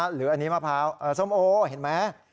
หรืออันนี้มะพร้าวส้มโอเห็นไหม